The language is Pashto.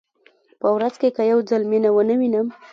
په ورځ کې که یو ځل مینه ونه وینم.